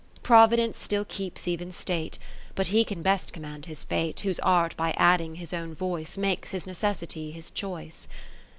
XXIV Providence still keeps even state ; liut he can best command his fate, Whose art by adding his own voice, Makes his necessity his choice.